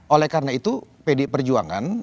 oleh karena itu pdi perjuangan